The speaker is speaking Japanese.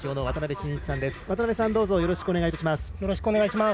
渡辺さん、どうぞよろしくお願いします。